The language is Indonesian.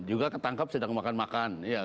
juga ketangkap sedang makan makan